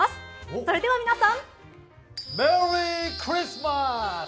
それでは皆さん。